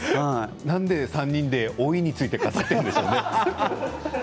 なんで３人で老いについて語っているんでしょうね。